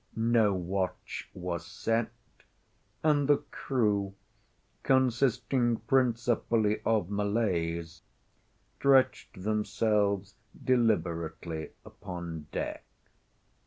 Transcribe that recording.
No watch was set, and the crew, consisting principally of Malays, stretched themselves deliberately upon deck.